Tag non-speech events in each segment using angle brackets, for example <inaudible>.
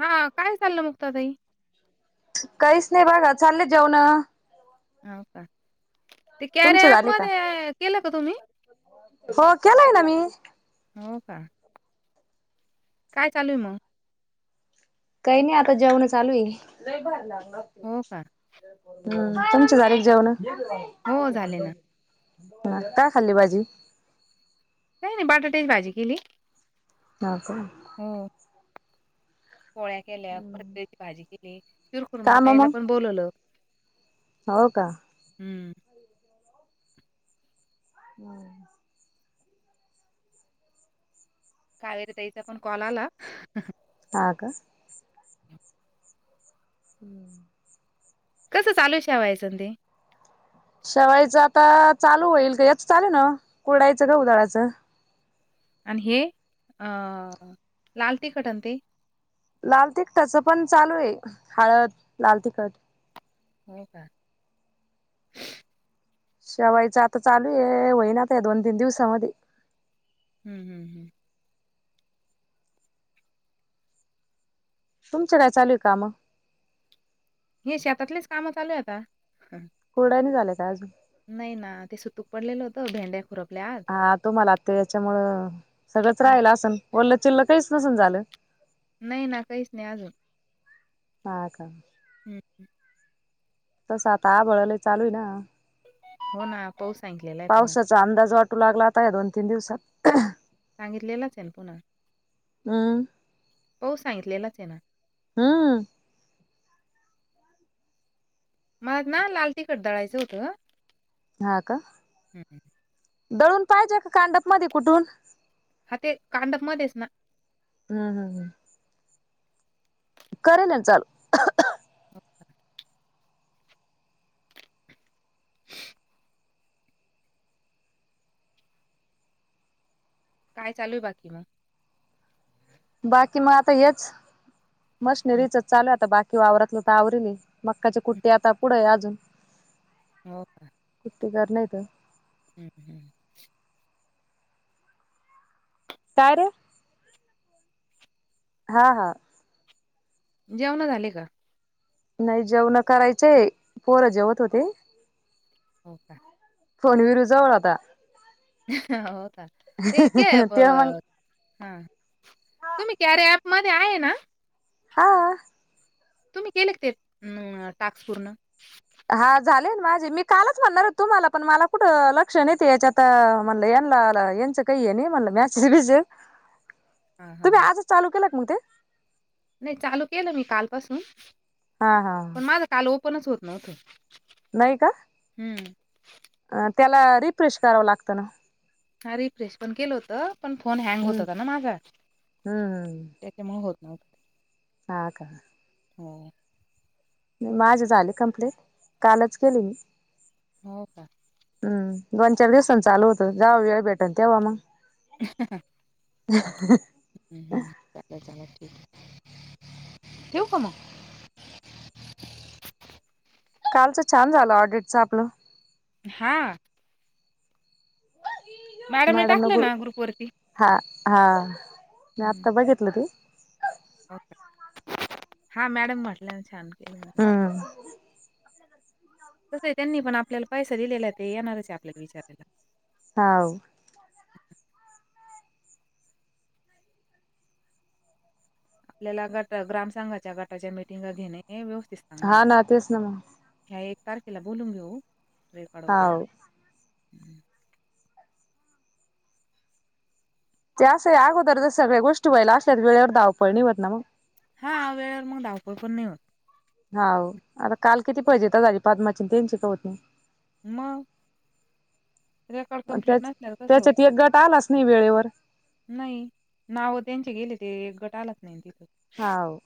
हा काय चाललं मुक्ता ताई? काहीच नाही बघा चालले जेवणं. हा हा. ते तुमचे कार्या ऍप झाले का मध्ये केलं का तुम्ही? हो केलंय ना मी. हो का, काय चालू आहे मग? काही नाही आता जेवणं चालू आहे. हो का? तुमचे झाले का जेवणं? हो, झाले ना. हा काय खाल्ली भाजी? काही नाही बटाट्याची भाजी केली. हा का. हो पोळ्या केल्या, परत त्याची भाजी केली का शिरखुरमा म प्यायला मग पण बोलवलं. हो का? हम्. <inaudible> कावेरी ताईचा पण कॉल आला, ह. हा का. <inaudible> कसं चालू आहे शेवयाचं ते? शेवायाचं आता चालू होईल ते याच चालू आहे ना कुरडईच गहू दळायचं. आणि हे अ लाल तिखट अन् ते? लाल तिखटाच पण चालू आहे. हळद, लाल तिखट. होय का? शेवाईच आता चालू आहे, होईना ते या दोन तीन दिवसामध्ये. हम् हम्. तुमचे काय चालू आहे कामं? ही शेतातलीच कामं चालू आहेे आता. कुरडया नाही झाल्या का अजून? नाही ना, ते सुतूक पडलेलं होतं, भेंड्या खुरपल्या आज. हा तुम्हांला ते हेच्यामुळं सगळंच हं. राहिलं असनं? ओल्लं चिल्लं काहीच नसनं झालं? नाही ना, काहीच नाही अजून. हा का. हम् तस आता आभाळा आलं, चालू आहे ना. हो ना पाऊस सांगितलेला आहे पुन्हा. पावसाचा अंदाज वाटू लागला आता ह्या दोन तीन दिवसात- सांगितलेलाच येन पुन्हा हम्म हो सांगितलेलाच येना हं. मग नां लाल तिखट दळायचं होतं हां का? हम्म. दळून पाहिजे का कांडप मध्ये कुटून? हां ते कांडप मध्येच ना. हां हां हां. करा ना चा? <inaudible> काय चालूयं बाकी मग? बाकी मग आता हेंच हम्म. मशनरीचच चालूयं आता बा की वावरातलं तर आवरली मक्काची कुट्टी आता पुढेयं अजून हों का? एकटं घरला येतो? हुं <unintelligible> काय र? हां हां. जेवण झाली का? नायी जेवण करायचंय पोरं जेवत होते. हों का? फोन विरू जवळ आता <unintelligible> हों का? ते के तेव्हा मग बं हां तुम्ही केर्या ॲप मध्ये आहे ना? हों. तुम्ही केले का ते टाक्स पूर्ण? हां झाले न माझे मी कालच म्हणणार होतो तुम्हाला पण मला कुठं लक्ष नाहीेत याच्यात म्हणलं याल्यां ह्यांच्या कायी हे नयी म्हणलं मेसेज विषय हा हा तुम्ही आजच चालू केला का मग ते? नायी चालू केलं मी कालपासून हां हां. पण माझं काल ओपनच होत नव्हतं. नायी का? हुं. अं त्याला रिफ्रेश करावं लागतं ना. हां रिफ्रेश पण केलं होत पण फोन हँग होत हम्म होता ना माझा हम्म ते त्यामुळ होत नव्हत ते. हां का? हुं. नायी माझे झाले कंप्लेट कालच केली मी. हों का? हं दोन चार दिवसांच आल होतं जावूया वेळ भेटन तेव्हा मग. <unintelligible> हुं <inaudible> ठेवू का मग? कालचं छान झालं ऑडिटच आपलं. हां. मॅडमने मॅडम नं टाकलं ना ग्रुप गरुं वरती. हां हां मी हम्म आंता बघितले मी हो कायं मॅडम म्हटलेने छांन केले हां तसं त्यांनी पणं आपल्यांला पैसा दिलेला ते येणारं चं आहे आपल्याला विचारांयला हांव आपल्यांला गटं ग्रामसंघाच्या गटांच्या मटिंग घेणे हे व्यवस्थित हां नां तेचं नां मगं ह्यां एक तारखीला बोलूंन घेऊं रेकॉड हाव वगैरें ते असं यां अगोदर जरं सगळ्यां गोष्टी वयंला असल्यांत वेळेवरं धावपळणी होतं नां मगं हां वेळेवरं मगं धावपळ पणं नाहीं होतं हांव आंता कांल किती पाहिजेेती झाली माझी चीन ते शिकवं होती मंग रेकॉर्ड कंप्लीट त्याच नसल्यांवरं तसं त्याच्यात होतं एक गट आलाच नाही वेळेवर नाहीं नांव त्यांचे गेले ते गटं आलांच नाहीं तिथं हांव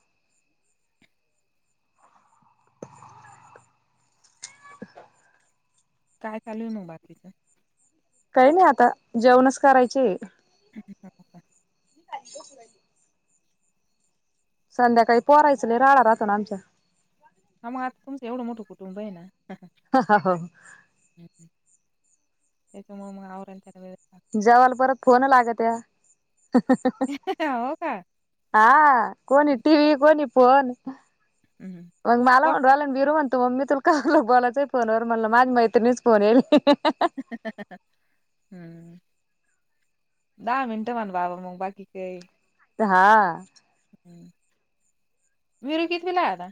कायं चालंल मगं बाकीचं कांहीं नाहीं आंता जेवणं चं करायचे आहे हं हं हं करं कांतरली संध्याकाळी पोरांयचलेय रांडा राहतो नां आमच्यां हां मंग आंता तुमचं एवढं मोठं कुटुंब आहे नां हं हं हो त्यांच्या मंग मणावरं आहे सगळं जेवांरला परंत फोन लागतं त्यां हो का? हां कोणी टीव्ही कोणी फोन हम्मं मंग मलां म्हणवांला आणि बिरूं म्हंण तूं मम्मी तुलां कालं बोलायचंय फोनवरं म्हणलं माझी मैत्रिणीच फोन येईल हं हं हं हम्मं दहा मिनिटं म्हंण बाबां मगं बाकी कायं दहा हम्मं वीरू कितवीलां आहे आंता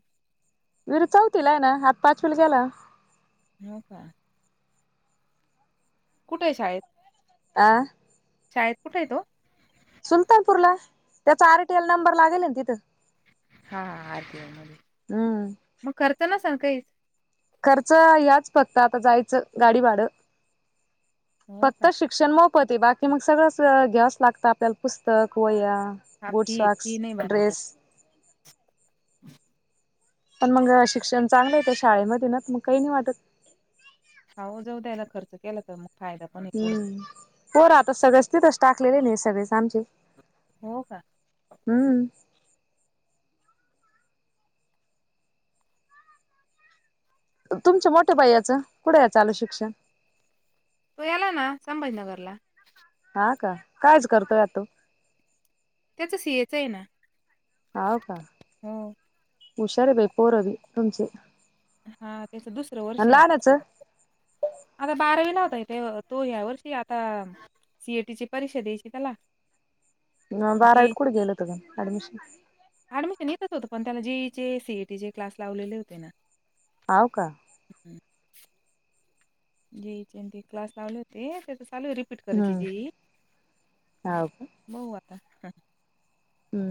विरू चौथला आहे नां आंता हां पांच विलां गेलां हो कां कुठे आहे शाळेतं आं शाळेतं कुठे आहे तो सुलतांनपूरलां त्यांचा आरटीएल नंबर लागेल आहे नां तिथं हां आं अच्छा हम्मं मंग करतां नां सांग कांहींच खर्च यांचं फक्तं आंता जायचं गांडी भाडं हो का? फक्तं शिक्षणं मोफतं आहे बाकी मगं सगळं चं घ्यावचं लागतं आपल्यांला पुस्तकं वह्यां हा बूंट फी फी सॉक्स नाही भरायचं. ड्रेस पणं मंग शिक्षणं चांगलं येतं शाळेमध्यें नां मगं कांहीं नाहीं वाटतं हा जाऊ द्यायला खर्च केला तर मग फायदा पण आहे पुढं. हम्म पोर आता सगळेच तथच टाकलेले नाही सगळेच आमचे हो का हम्म तुमच्या मोठ्या बाईयाचं कुठे या चालु शिक्षण? तो याला ना संभाजीनगर ला. हा का कायच करतोय तो? त्याच सीएच आहे ना. होव का हो. हूशार बाई पोरवी तुमची. हा त्याच दुसरं वर्ष आ आता बारावी नव्हताय ते तो या्या वर्षी आता, सीएटीची परीक्षा द्यायची त्याला. जे बारावीईल कुट गेलं तग ऍडमिशन? ऍडमिशन येतच होतं पण त्यांना जीईचे सीईटी चे क्लास लावलेले होते ना. आव का जी ती क्लास लावले होते त्याच चालू आहे रिपीट करायची हम्म. जी हाव का? बऊ आता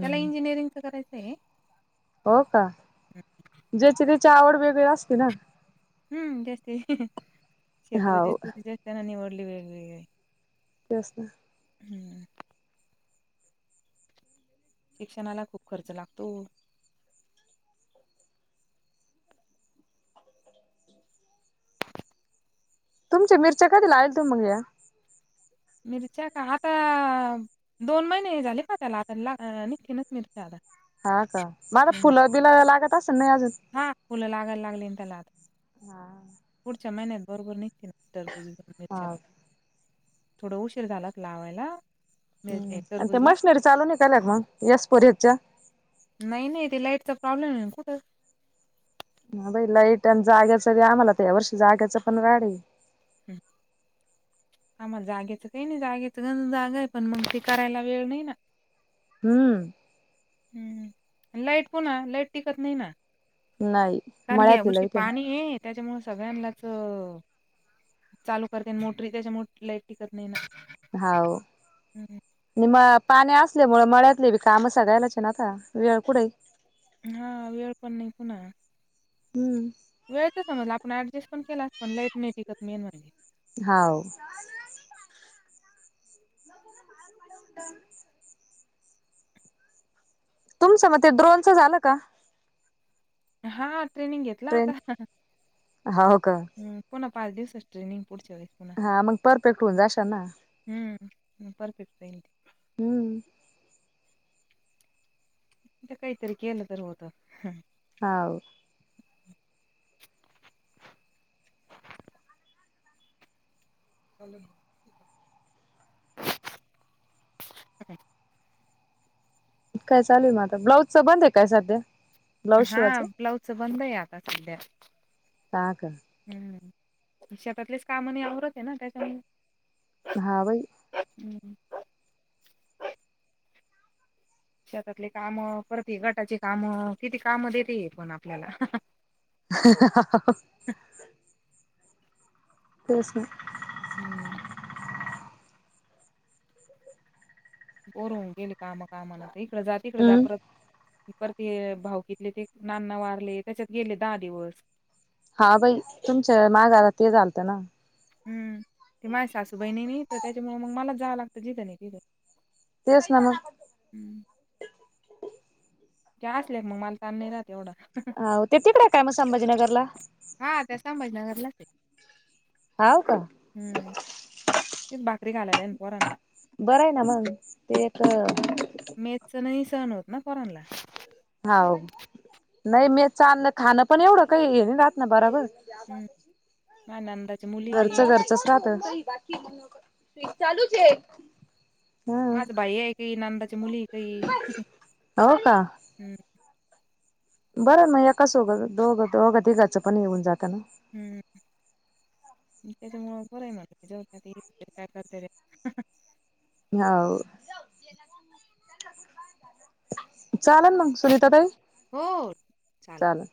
त्याला इंजिनिअरिंगच करायचं आहे. हो का ज्याची त्याची आवड वेगैर असते ना. हम्म जास्ती क्षेत्र हाव. जास्तीत जास्तना निवडली वेगवेगळे तेच ना, हम्म शिक्षणाला खूप खर्च लागतो. तुमच्या मिरच्या कधी ला आ त मग या मिरच्या का आता दोन महिने झाले का त्याला आता ला निसकीनच मिरच्या आता. हा का मला हम्म. फुलं बिलं लागत अस नाही अजून, हा फुलं लागायला लागली त्याला आत. हा पुढच्याचा महिन्यात भरपूर निघतील टरबूज आणि मिरच्या पण थोडं उशीर झाला लावायला. मिर- हम् हे आणि ते टरबूजला मशनरी चालवून काल्यात मग यसपोरीतच्या. नाही नाही ते लाईटचा प्रॉब्लेम आहे ना कुठं? ह बाई लाईट आणि जाग्याच आम्हाला तर या वर्षी जाग्याच पण गाड हाय हम् ह म जागेचं काही नाही जागेचं जागा आहे पण मग ते करायला वेळ नाही ना, हम्म हम्म लाईट पणा लाईट टिकत नाही ना नाही. कारण या मळ्यातली वर्षी लाईट ना. पाणी आहे त्याच्यामुळे सगळ्यांनाच, चालू करते मोटरी त्याच्या मो लाईट टिकत नाही ना हाव हम्म. णि म पाणी असल्या मुळ मळ्यातले बी काम सगायलाचे ना आता वेळ कुठे, हा वेळ पण नाही पुन्हा, हम्म वेळच समजला आपण ऍडजस्ट पण केलास पण लाईट नाही टिकत मेन म्हणजे. हाव, <inaudible> तुमचं म ते ड्रोनचं झालं का? हा ट्रेनिंग घेतला आता. ट्रेन हाव का ह, पुन्हा पाच दिवसाची ट्रेनिग पुढच्या वेळी पुन्हा हा मग परफेक्ट होऊन जाशा ना, हम्म, परफेक्ट होईल. हम्म, ते काहीतरी केलं तर होत. हाव. <unintelligible> काय चालु मग आता? ब्लाउजच बंद आहे काय सध्या. ब्लाऊज हा शिवायचं ब्लाऊजच बंद आहे आता सध्या. काग? हम्म, शेतातलेच काम नाही आवरत आहे ना त्याच्या मुळ हा बाई. हम्म, शेतातले काम परत हे गटाचे काम किती काम देते हे पण आपल्याला. तेस न, हम्म, बोर होऊन गेले कामा कामान इकडे जा तिकडे जा हम्म परत परत ये भाऊकीतले ते नानां वारले त्याच्यात गेले दहा दिवस. हा बाई तुमच्या मागारात हे झालंत ना, हम्म, ते माझ सासू बाई नाही न ईथ त्याच्यामुळे मग मला जावं लागतं जिथं नाही तिथं. तेस ना मग. हम, त्या असल्या का मग मला तान नाही राहत एवढा. हाव ते तिकडे आहे का मग संभाजीनगरला. हा त्या संभाजीनगरलाच आहे. हाव का. हम्म, हे भाकरी घालाला आहेन पोरांनला. बरं आहे ना मग ते एक मेसच नाही सहण होत ना पोरांनला. हाव. नाही मेसचा अन्न खाणं पण एवढं काही हे राहात ना बरोबर. हम, मा नंदा घरचं घरचंस राहत. बाकी चालूच हे. माझं भाई आहे काही नंदाची मुली आहे काही हो का हम्म, बरं य मग एका सोबतच दोघं दोघा तिघाचं पण हे होऊन जातना. हम्म, त्याच्या मुळ बरंय मग जाऊद्या काय करते ते. ह्याव. चालंन मग सुनीता ताई. हो चालल. चालेल.